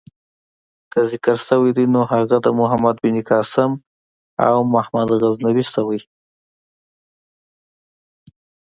که ذکر شوی دی نو هغه د محمد بن قاسم او محمود غزنوي شوی.